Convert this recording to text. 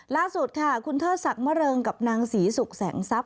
ล่าสุดค่ะคุณเทศสักมะเริงกับนางศรีสุขแสงซับ